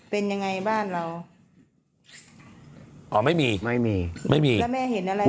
เป็นอย่างไรบ้านเราอ่อไม่มีไม่มีไม่มีแล้วแม่เห็นอะไรอุ๊ย